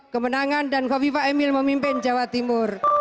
kemenangan dan kofifa emil memimpin jawa timur